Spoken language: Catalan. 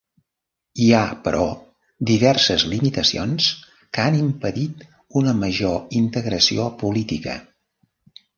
Hi ha, però, diverses limitacions que han impedit una major integració política.